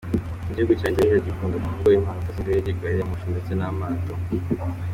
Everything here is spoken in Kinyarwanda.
Igihugu cya Indonesia gikunda kuvugwamo impanuka z’indege, gariyamoshi ndetse n’amato .